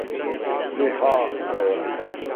The Hunter